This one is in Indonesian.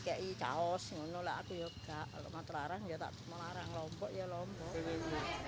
kei caos ngelola aku juga alamat larang jatuh melarang lombok ya lombok